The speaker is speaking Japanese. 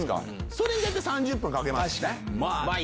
それに大体３０分かけます。